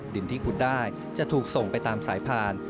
ดินที่ขุดได้จะถูกส่งไปตามสายพาน